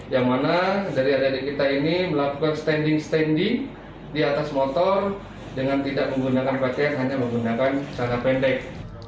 yang mana dari adik adik kita ini melakukan standing standing di atas motor dengan tidak menggunakan pakaian hanya menggunakan jangka pendek